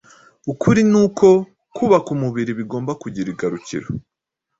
Ukuri ni uko kubaka umubiri bigomba kugira igarukiro